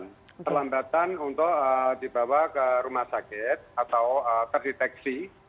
keterlambatan untuk dibawa ke rumah sakit atau terdeteksi